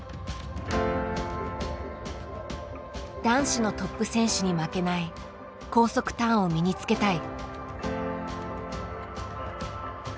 男子のトップ選手に負けない高速ターンを身につけたい。